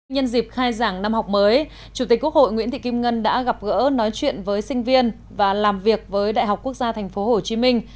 nhân dịp khai giảng năm học mới chủ tịch quốc hội nguyễn thị kim ngân đã gặp gỡ nói chuyện với sinh viên và làm việc với đại học quốc gia tp hcm